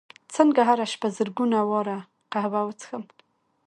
څنګه هره شپه زرګونه واره قهوه وڅښم